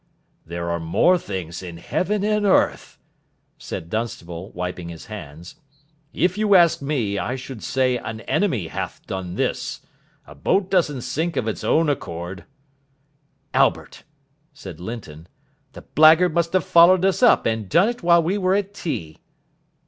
"There are more things in Heaven and Earth " said Dunstable, wiping his hands. "If you ask me, I should say an enemy hath done this. A boat doesn't sink of its own accord." "Albert!" said Linton. "The blackguard must have followed us up and done it while we were at tea."